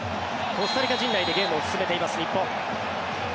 コスタリカ陣内でゲームを進めています日本。